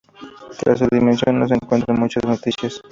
Tras su dimisión no se encuentran muchas noticias.